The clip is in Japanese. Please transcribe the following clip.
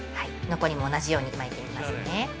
残りも同じように巻いていきますね。